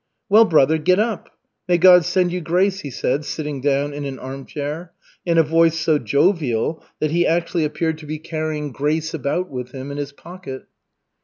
"Well, brother, get up. May God send you grace," he said, sitting down in an armchair, in a voice so jovial that he actually appeared to be carrying "grace" about with him in his pocket.